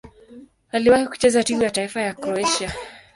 Aliwahi kucheza timu ya taifa ya Kroatia.